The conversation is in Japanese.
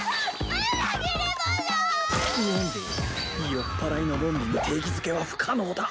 酔っぱらいの論理に定義づけは不可能だ。